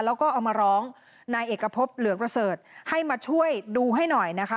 แล้วก็เอามาร้องนายเอกพบเหลืองประเสริฐให้มาช่วยดูให้หน่อยนะคะ